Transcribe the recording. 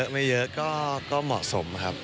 ไม่เยอะก็เหมาะสมครับ